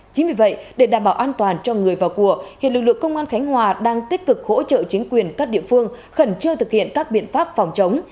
chính vì vậy để đảm bảo an toàn cho người vào của hiện lực lượng công an khánh hòa đang tích cực hỗ trợ chính quyền các địa phương khẩn trương thực hiện các biện pháp phòng chống